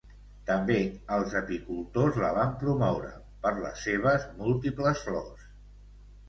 També, els apicultors la van promoure, per les seves múltiples flors.